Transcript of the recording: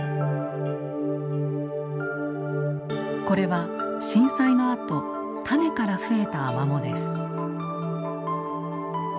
これは震災のあと種から増えたアマモです。